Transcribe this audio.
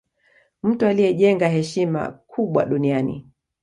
mtu aliye jenga heshima kubwa duniani